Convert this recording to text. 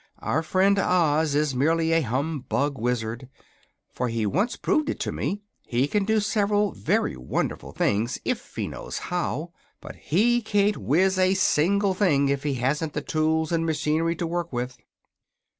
"Our friend Oz is merely a humbug wizard, for he once proved it to me. He can do several very wonderful things if he knows how. But he can't wiz a single thing if he hasn't the tools and machinery to work with."